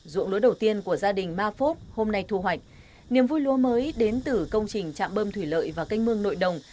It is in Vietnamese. dụng lúa đầu tiên của gia đình ma phốt hôm nay thu hoạch niềm vui lúa mới đến từ công trình chạm bơm thủy lợi và canh mương nội đồng